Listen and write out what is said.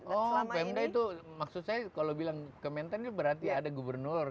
oh pemda itu maksud saya kalau bilang kementerian berarti ada gubernur